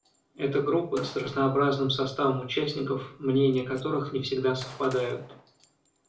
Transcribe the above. Это группа с разнообразным составом участников, мнения которых не всегда совпадают.